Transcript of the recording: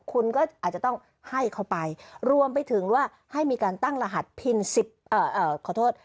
คุณก็อาจจะต้องให้เข้าไปรวมไปถึงว่าให้มีการตั้งรหัส